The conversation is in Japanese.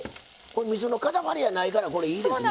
みそのかたまりやないからこれいいですね。